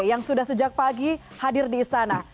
yang sudah sejak pagi hadir di istana